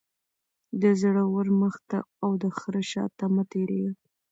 - د زورور مخ ته او دخره شاته مه تیریږه.